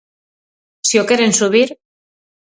Si o queren subir.